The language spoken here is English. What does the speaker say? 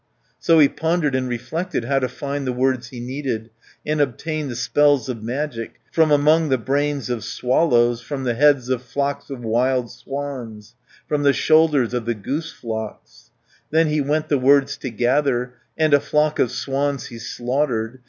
So he pondered and reflected How to find the words he needed, And obtain the spells of magic, From among the brains of swallows, From the heads of flocks of wild swans, From the shoulders of the goose flocks. 130 Then he went the words to gather, And a flock of swans he slaughtered.